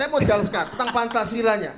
saya mau jelaskan tentang pancasila nya